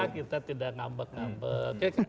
kita tidak ngambek ngambek